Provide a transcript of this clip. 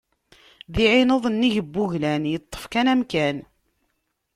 D iɛineḍ nnig n wuglan yeṭṭef kan amkan.